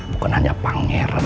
bukan hanya pangeran